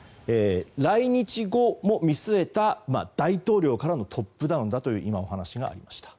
来日後を見据えた大統領からのトップダウンだというお話がありました。